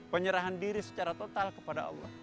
penyerahan diri secara total kepada allah